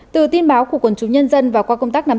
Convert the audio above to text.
từ tin báo của quần chú nhân dân và qua công tác nắm tiền